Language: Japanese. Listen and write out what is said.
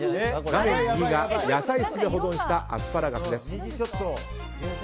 画面右が野菜室で保存したアスパラガスです。